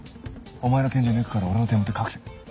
お前の拳銃抜くから俺の手元隠せ。